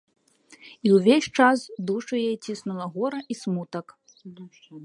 І ўвесь час душу яе ціснула гора і смутак.